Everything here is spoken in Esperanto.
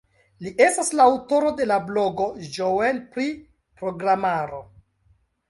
Li estas la aŭtoro de la blogo "Joel pri Programaro".